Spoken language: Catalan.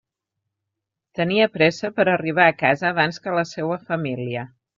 Tenia pressa per arribar a casa abans que la seua família.